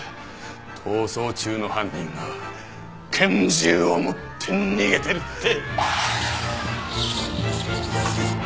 逃走中の犯人が拳銃を持って逃げてるって！